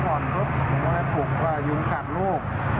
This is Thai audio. ตอนนั้นเขาก่อนผมก็เลยปลุกว่ายุงกัดลูก